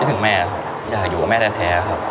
รู้สึกแม่อยากอยู่กับแม่แท้ครับ